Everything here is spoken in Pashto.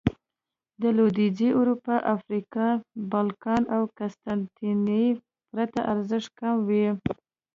د لوېدیځې اروپا، افریقا، بالکان او قسطنطنیې پرتله ارزښت کم و